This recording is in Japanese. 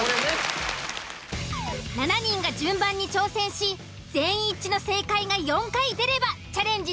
７人が順番に挑戦し全員一致の正解が４回出ればチャレンジ